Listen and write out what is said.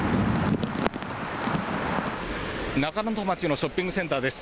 中能登町のショッピングセンターです。